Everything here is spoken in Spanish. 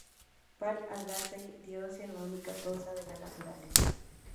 Para Al-Ghazali, Dios es la única causa de la naturaleza.